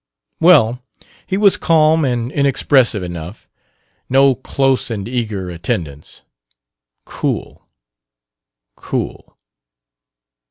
Well, he was calm and inexpressive enough: no close and eager attendance; cool, cool.